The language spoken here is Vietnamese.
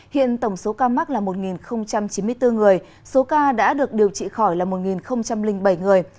hiện tổng số ca mắc là một chín mươi bốn người số ca đã được điều trị khỏi là một bảy người